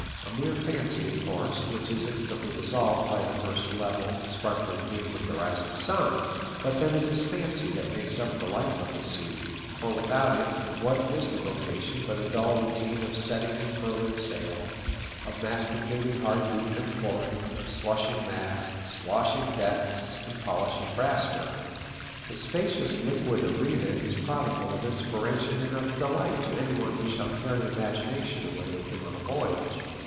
A mere fancy, of course, which is instantly dissolved by the first level, sparkling beam of the rising sun. But then it is fancy that makes up the life of the sea, for without it what is the vocation but a dull routine of setting and furling sail, of masticating hard beef and pork, of slushing masts, washing decks, and polishing the brasswork? The spacious liquid arena is prodigal of inspiration and of delight to any one who shall carry imagination away with him on a voyage.